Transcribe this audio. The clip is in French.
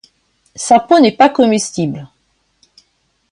Sa peau n'est pas comestible.